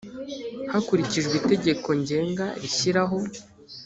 hakurikijwe itegeko ngenga rishyiraho